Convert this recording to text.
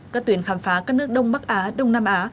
các tuyến khám phá các nước đông bắc á đông nam á